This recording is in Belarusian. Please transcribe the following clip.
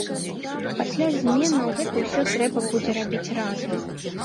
Пасля зменаў гэта ўсё трэба будзе рабіць разам.